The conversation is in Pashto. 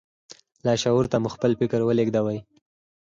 لاشعور ته مو خپل فکر ولېږدوئ.